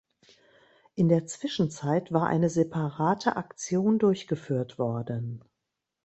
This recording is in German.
In der Zwischenzeit war eine separate Aktion durchgeführt worden.